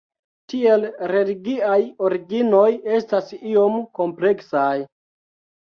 Tiel, religiaj originoj estas iom kompleksaj.